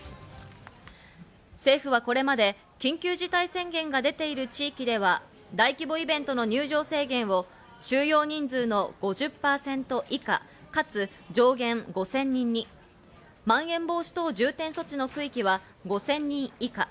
政府は、これまで緊急事態宣言が出ている地域では大規模イベントの入場制限を収容人数の５０％以下かつ上限５０００人にまん延防止等重点措置の区域は５０００人以下。